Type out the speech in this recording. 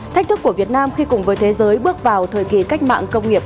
thách thức của việt nam khi cùng với thế giới bước vào thời kỳ cách mạng công nghiệp bốn